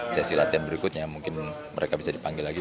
sesi latihan berikutnya mungkin mereka bisa dipanggil lagi